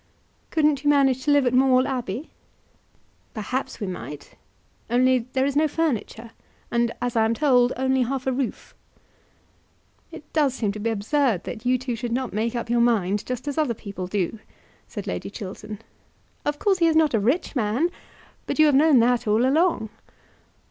"Couldn't you manage to live at Maule Abbey?" "Perhaps we might; only there is no furniture, and, as I am told, only half a roof." "It does seem to be absurd that you two should not make up your mind, just as other people do," said Lady Chiltern. "Of course he is not a rich man, but you have known that all along."